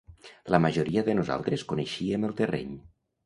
La majoria de nosaltres coneixíem el terreny